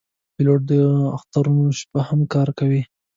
پیلوټ د اخترونو شپه هم کار کوي.